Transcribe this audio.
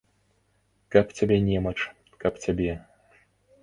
Каб цябе немач, каб цябе!